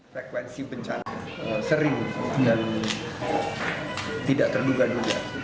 frekuensi bencana sering dan tidak terduga duga